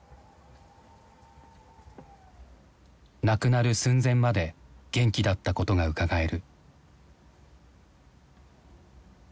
亡くなる寸前まで元気だったことがうかがえる。